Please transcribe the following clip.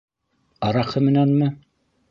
Араҡы менәнме?